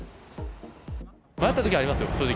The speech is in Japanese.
迷ったときはありますよ、正直。